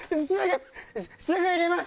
すぐ入れます。